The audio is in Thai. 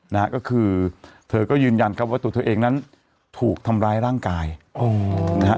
นะฮะก็คือเธอก็ยืนยันครับว่าตัวเธอเองนั้นถูกทำร้ายร่างกายนะฮะ